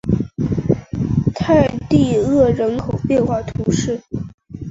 泰蒂厄人口变化图示